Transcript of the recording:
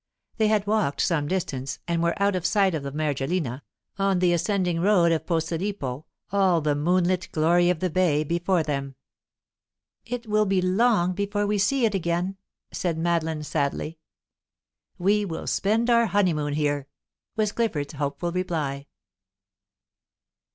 They had walked some distance, and were out of sight of the Mergellina, on the ascending road of Posillipo, all the moonlit glory of the bay before them. "It will be long before we see it again," said Madeline, sadly. "We will spend our honeymoon here," was Clifford's hopeful reply.